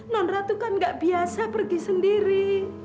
non ratu kan gak biasa pergi sendiri